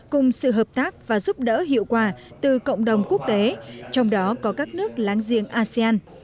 cùng sự hợp tác và giúp đỡ hiệu quả từ cộng đồng quốc tế trong đó có các nước láng giềng asean